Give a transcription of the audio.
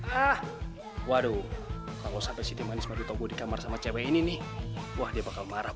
hah waduh kalau sampai sini manis madu toko di kamar sama cewek ini nih wah dia bakal marah